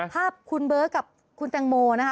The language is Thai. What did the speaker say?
ภาพคุณเบิร์ตกับคุณแตงโมนะคะ